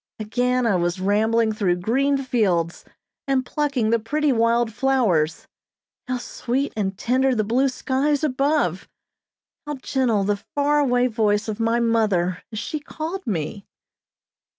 Again I was rambling through green fields, and plucking the pretty wild flowers. How sweet and tender the blue skies above! How gentle the far away voice of my mother as she called me!